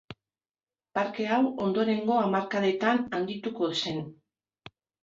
Parke hau ondorengo hamarkadetan handituko zen.